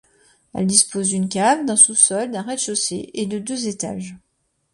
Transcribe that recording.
Elle dispose d'une cave, d'un sous-sol, d'un rez-de-chaussée et de deux étages.